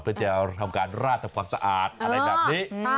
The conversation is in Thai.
เพื่อจะทำการราดทำความสะอาดอะไรแบบนี้